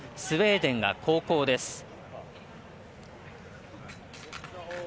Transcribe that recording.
スウェーデンが後攻です。